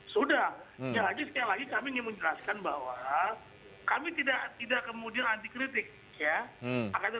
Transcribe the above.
sudah jadi sekali lagi kami ingin menjelaskan bahwa kami tidak kemudian anti kritik ya